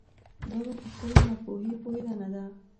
دا په خپلې ناپوهي پوهېدنه ده.